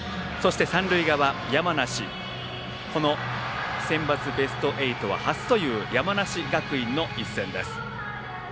三塁側このセンバツベスト８は初という山梨学院の一戦です。